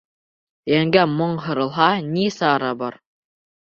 Йәнгә моң һарылһа, ни сара бар?